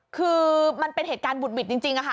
คือมันเป็นเหตุการณ์บุดหวิดจริงค่ะ